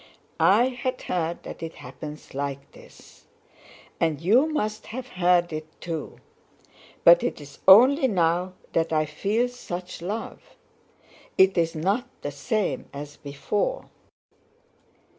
"I had heard that it happens like this, and you must have heard it too, but it's only now that I feel such love. It's not the same as before.